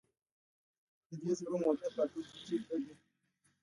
د دې ذرو موقعیت په اتوم کې چیرته وي